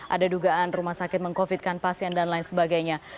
ada dugaan rumah sakit meng covidkan pasien dan lain sebagainya